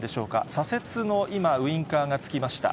左折の今、ウインカーがつきました。